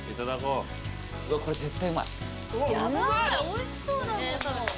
おいしそうだもん。